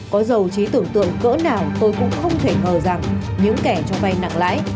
có dầu trí tưởng tượng cỡ nào tôi cũng không thể ngờ rằng những kẻ cho vay nặng lãi